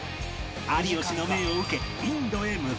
有吉の命を受けインドへ向かったのは